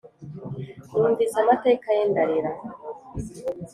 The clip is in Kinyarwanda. Numvise amateka ye ndarira